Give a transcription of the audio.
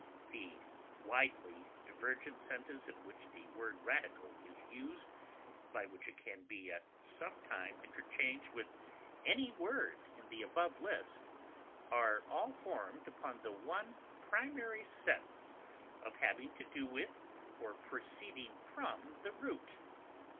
The widely divergent senses in which the word radical is used, by which it can be at some time interchanged with any word in the above list, are all formed upon the one primary sense of having to do with or proceeding from the root (L.